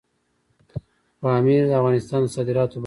پامیر د افغانستان د صادراتو برخه ده.